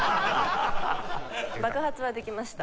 爆発はできました。